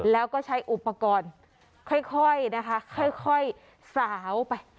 แล้วก็ใช้อุปกรณ์ค่อยนะคะค่อยสาวไป